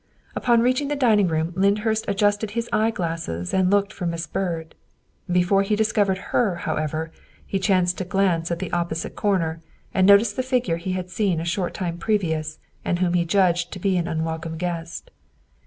Upon reaching the dining room Lyndhurst adjusted his eyeglasses and looked for Miss Byrd. Before he dis covered her, however, he chanced to glance at the oppo site corner and noticed the figure he had seen a short time previous and whom he judged to be an unwelcome guest.